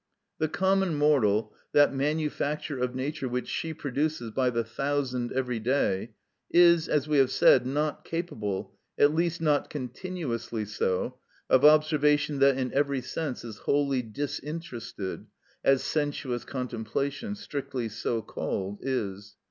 The common mortal, that manufacture of Nature which she produces by the thousand every day, is, as we have said, not capable, at least not continuously so, of observation that in every sense is wholly disinterested, as sensuous contemplation, strictly so called, is.